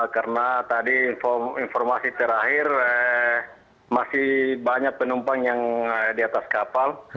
karena tadi informasi terakhir masih banyak penumpang yang di atas kapal